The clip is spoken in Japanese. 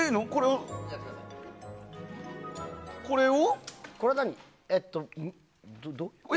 これを。